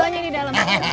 ini doanya di dalam